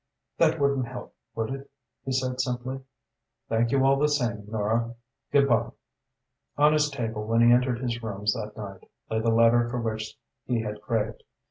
"That wouldn't help, would it?" he said simply. "Thank you, all the same, Nora. Good by!" On his table, when he entered his rooms that night, lay the letter for which he had craved.